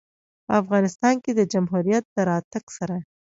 په افغانستان کې د جمهوریت د راتګ سره